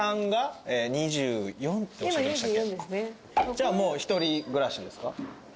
じゃあもう１人暮らしですか？